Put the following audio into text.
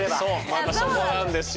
またそこなんですよ。